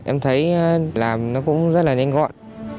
em thấy làm nó cũng rất là nhanh gọn